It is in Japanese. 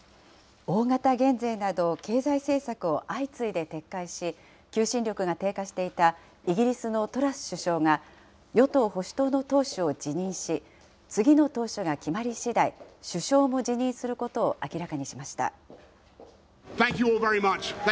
大型減税など経済政策を相次いで撤回し、求心力が低下していたイギリスのトラス首相が、与党・保守党の党首を辞任し、次の党首が決まりしだい、首相も辞任することを明らかにしました。